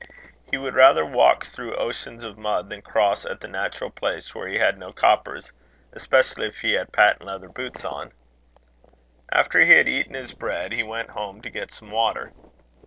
He would rather walk through oceans of mud, than cross at the natural place when he had no coppers especially if he had patent leather boots on. After he had eaten his bread, he went home to get some water.